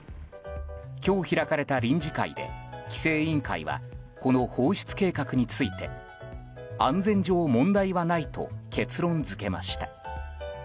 今日開かれた臨時会で規制委員会はこの放出計画について安全上、問題はないと結論付けました。